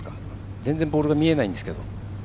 全然ボールが見えないんですけど。